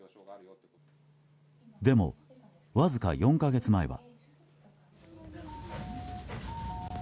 でも、わずか４か月前は。